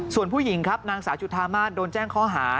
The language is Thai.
ส่วนผู้หญิงครับนางสาวจุธามาศโดนแจ้งข้อหา